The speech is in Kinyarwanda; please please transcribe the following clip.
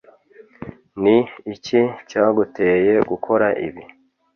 ni iki cyaguteye gukora ibi